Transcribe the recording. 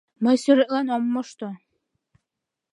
мый сӱретлен ом мошто.